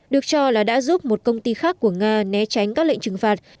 được cho là đã giúp một công ty khác của nga né tránh các lệnh trừng phạt